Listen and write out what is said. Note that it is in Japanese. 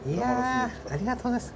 ありがとうです。